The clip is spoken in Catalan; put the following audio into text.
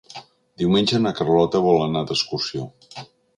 Diumenge na Carlota vol anar d'excursió.